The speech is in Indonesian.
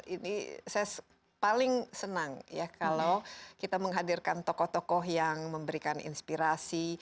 ini saya paling senang ya kalau kita menghadirkan tokoh tokoh yang memberikan inspirasi